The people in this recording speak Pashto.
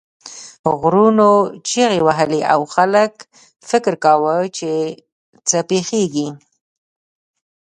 غرونو چیغې وهلې او خلک فکر کاوه چې څه پیښیږي.